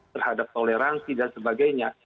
terhadap toleransi dan sebagainya